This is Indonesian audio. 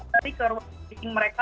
lari ke room speaking mereka